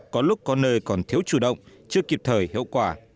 có lúc có nơi còn thiếu chủ động chưa kịp thời hiệu quả